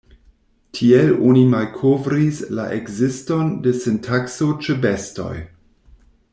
Tiel oni malkovris la ekziston de sintakso ĉe bestoj.